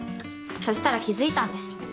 そしたら気付いたんです。